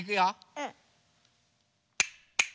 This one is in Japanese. うん。